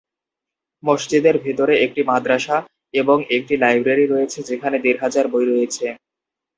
মসজিদের ভিতরে একটি মাদ্রাসা এবং একটি লাইব্রেরি রয়েছে যেখানে দেড় হাজার বই রয়েছে।